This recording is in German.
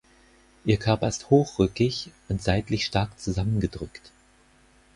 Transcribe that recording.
Ihr Körper ist hochrückig und seitlich stark zusammengedrückt.